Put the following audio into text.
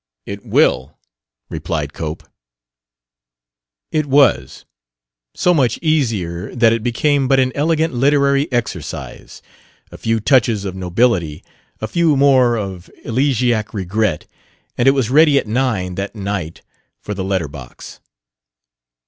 "It will," replied Cope. It was, so much easier that it became but an elegant literary exercise. A few touches of nobility, a few more of elegiac regret, and it was ready at nine that night for the letter box.